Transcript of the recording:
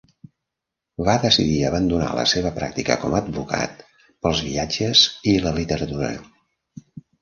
Va decidir abandonar la seva pràctica com a advocat pels viatges i la literatura.